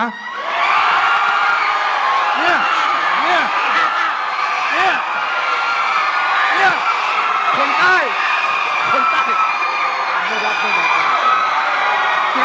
เนี่ยเนี่ยเนี่ย